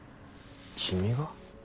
君が？